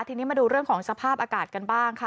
ทีนี้มาดูเรื่องของสภาพอากาศกันบ้างค่ะ